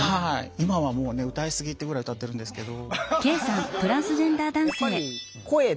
今はもう歌い過ぎっていうぐらい歌ってるんですけど。